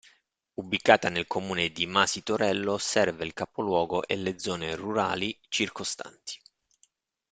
Ubicata nel comune di Masi Torello, serve il capoluogo e le zone rurali circostanti.